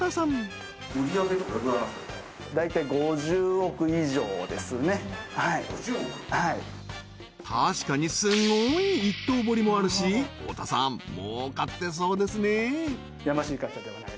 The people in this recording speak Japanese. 大体確かにすごい一刀彫りもあるし太田さん儲かってそうですね！